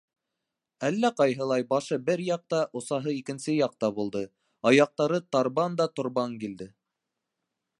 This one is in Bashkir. Әллә ҡайһылай башы бер яҡта, осаһы икенсе яҡта булды, аяҡтары тарбан да торбан килде.